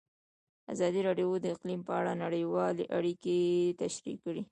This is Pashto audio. ازادي راډیو د اقلیم په اړه نړیوالې اړیکې تشریح کړي.